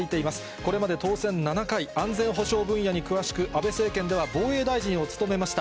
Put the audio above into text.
これまで当選７回、安全保障分野に詳しく、安倍政権では防衛大臣を務めました。